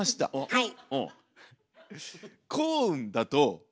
はい。